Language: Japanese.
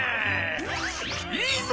いいぞ！